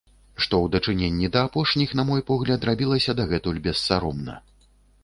Што ў дачыненні да апошніх, на мой погляд, рабілася дагэтуль бессаромна.